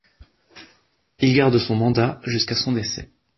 Il garde son mandat jusqu'à son décès.